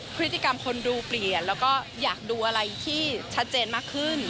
พฤติกรรมคนดูเปลี่ยนแล้วก็อยากดูอะไรที่ชัดเจนมากขึ้น